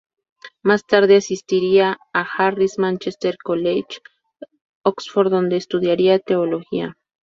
Más tarde asistiría a Harris Manchester College, Oxford, donde estudiaría Teología.